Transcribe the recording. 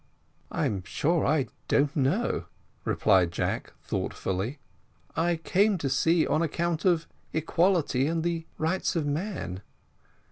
"I'm sure I don't know," replied Jack thoughtfully; "I came to sea on account of equality and the rights of man."